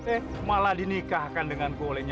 eh malah dinikahkan dengan gue olehnya